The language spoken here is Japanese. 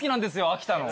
秋田の。